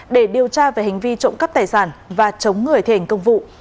để điều tra về hành vi trộm cắp tài sản và chống người thiền công vụ